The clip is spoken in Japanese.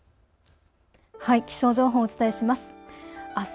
気象情報、お伝えします。